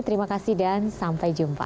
terima kasih dan sampai jumpa